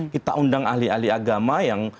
kita undang ahli ahli agama yang